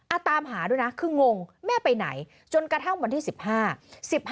ตามหาด้วยนะคืองงแม่ไปไหนจนกระทั่งวันที่๑๕